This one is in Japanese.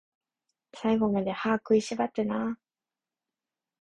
最後まで、歯食いしばってなー